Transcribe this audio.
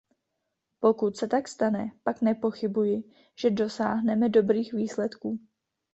Pokud se tak stane, pak nepochybuji, že dosáhneme dobrých výsledků.